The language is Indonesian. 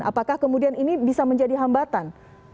apakah kemudian ini bisa menjadi hambatan